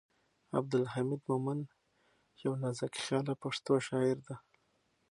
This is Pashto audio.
عبدالحمید مومند یو نازکخیاله پښتو شاعر دی.